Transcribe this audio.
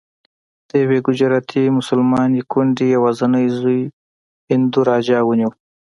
د یوې ګجراتي مسلمانې کونډې یوازینی زوی هندو راجا ونیو.